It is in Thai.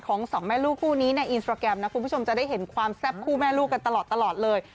สองแม่ลูกคู่นี้ในอินสตราแกรมนะคุณผู้ชมจะได้เห็นความแซ่บคู่แม่ลูกกันตลอดเลย